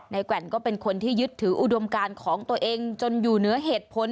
แกว่นก็เป็นคนที่ยึดถืออุดมการของตัวเองจนอยู่เหนือเหตุผล